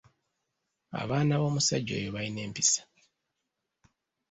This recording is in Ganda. Abaana b'omusajja oyo bayina empisa.